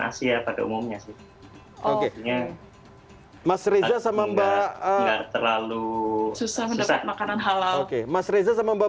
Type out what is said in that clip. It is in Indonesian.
asia pada umumnya sih oke mas reza sama mbak terlalu susah mendapatkan makanan halal oke mas reza sama mbak